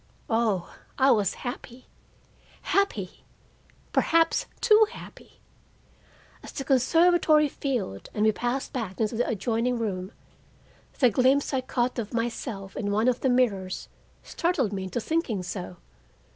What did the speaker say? Oh, I was happy, happy, perhaps too happy! As the conservatory filled and we passed back into the adjoining room, the glimpse I caught of myself in one of the mirrors startled me into thinking so.